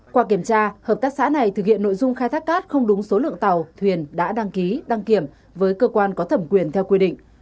qua kiểm tra hợp tác xã này thực hiện nội dung khai thác cát không đúng số lượng tàu thuyền đã đăng ký đăng kiểm với cơ quan có thẩm quyền theo quy định